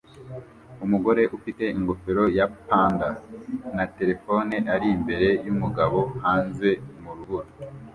Umugore ufite ingofero ya panda na terefone ari imbere yumugabo hanze mu rubura